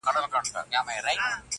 یو سړی په اصفهان کي دوکاندار وو،